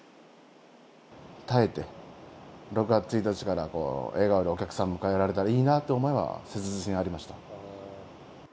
耐えて、６月１日から、笑顔でお客さんを迎えられたらいいなという思いは切実にありまし